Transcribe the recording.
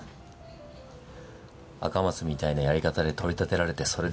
赤松みたいなやり方で取り立てられてそれで。